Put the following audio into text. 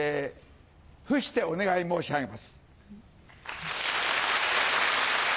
伏してお願い申し上げます。